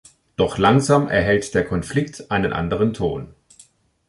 Doch langsam erhält der Konflikt einen anderen Ton.